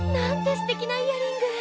すてきなイヤリング！